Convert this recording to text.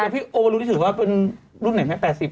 พี่โอวะรุ๊ดถือว่าเป็นรุ่นไหนแม่๘๐หรือ